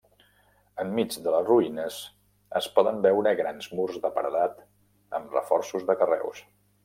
Enmig de les ruïnes, es poden veure grans murs de paredat amb reforços de carreus.